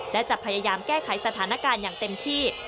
และจะพยายามแก้ไขสถานการณ์อย่างเต็มที่